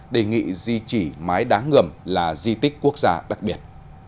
đề nghị di trì mái đáng ngườm là di tích quốc gia đặc biệt